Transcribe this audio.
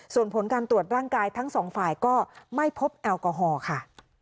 ส่วนผลการตรวจร่างกายทั้งสองฝ่ายก็ไม่พบแอลกอฮอล์ค่ะ